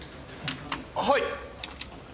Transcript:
はい。